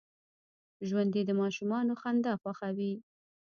ژوندي د ماشومانو خندا خوښوي